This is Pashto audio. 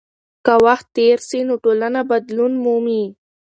که وخت تېر سي نو ټولنه بدلون مومي.